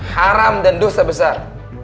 haram dan dosa besar